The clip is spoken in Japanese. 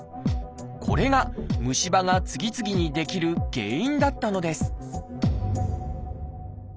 これが虫歯が次々に出来る原因だったのです